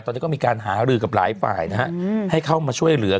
ตอนนี้ก็มีการหารือกับหลายฝ่ายนะฮะให้เข้ามาช่วยเหลือ